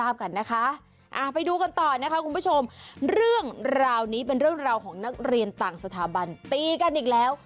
ไปดูกันต่อนะคะคุณผู้ชมเรื่องราวนี้เป็นเรื่องราวของนักเรียนต่างสถาบันตีกันอีกแล้ว